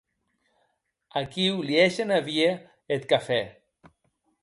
Aquiu li hègen a vier eth cafè.